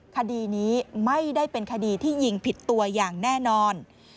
คดีนี้ไม่ได้เป็นคดีที่ยิงผิดตัวอย่างแน่นอน